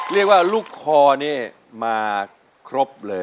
เรียกว่าลูกคอนี่มาครบเลย